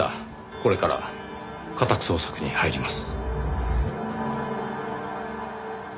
これから家宅捜索に入ります。